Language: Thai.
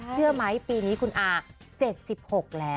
เชื่อไหมปีนี้คุณอา๗๖แล้ว